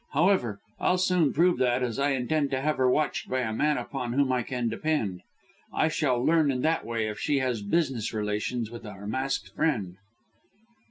However, I'll soon prove that, as I intend to have her watched by a man upon whom I can depend. I shall learn in that way if she has business relations with our masked friend."